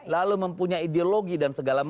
lalu mempunyai ideologi dan segala macam